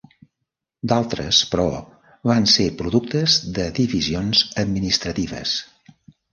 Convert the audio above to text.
D'altres, però, van ser productes de divisions administratives.